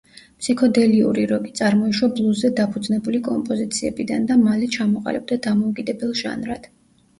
ფსიქოდელიური როკი წარმოიშვა ბლუზზე დაფუძნებული კომპოზიციებიდან და მალე ჩამოყალიბდა დამოუკიდებელ ჟანრად.